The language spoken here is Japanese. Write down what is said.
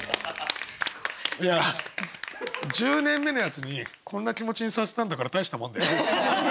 １０年目のやつにこんな気持ちにさせたんだから大したもんだよ。